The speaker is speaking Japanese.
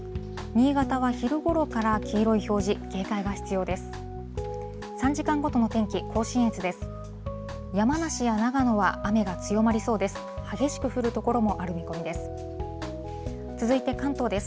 新潟は昼ごろから黄色い表示、警戒が必要です。